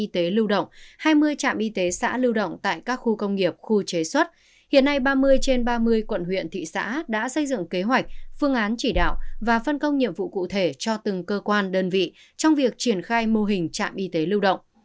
y tế lưu động hai mươi trạm y tế xã lưu động tại các khu công nghiệp khu chế xuất hiện nay ba mươi trên ba mươi quận huyện thị xã đã xây dựng kế hoạch phương án chỉ đạo và phân công nhiệm vụ cụ thể cho từng cơ quan đơn vị trong việc triển khai mô hình trạm y tế lưu động